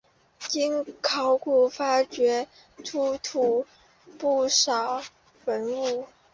经考古发掘出土不少文物。